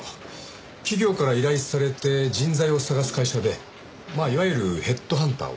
企業から依頼されて人材を探す会社でまあいわゆるヘッドハンターを。